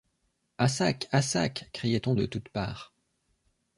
À sac! à sac ! criait-on de toutes parts.